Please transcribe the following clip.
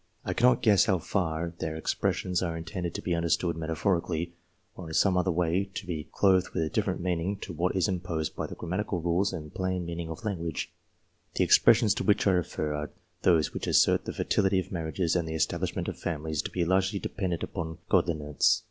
I cannot guess how far their expressions are intended to be understood metaphorically, or in some other way to be clothed with a different meaning to what is imposed by the grammatical rules and plain meaning of language. The expressions to which I refer are those which assert the fertility of marriages and the establishment of families to be largely dependent upon godliness.